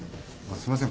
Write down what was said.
すいません